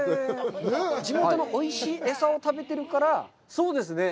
地元のおいしい餌を食べてるから、これね。